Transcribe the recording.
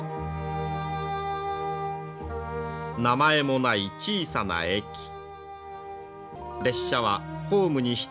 名前もない小さな駅全長